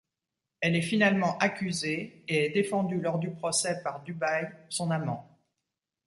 Elle est finalement accusée et est défendue lors du procès par Dubail, son amant.